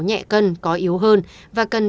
nhẹ cân có yếu hơn và cần